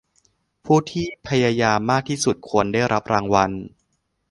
ผู้ที่พยายามมากที่สุดควรได้รับรางวัล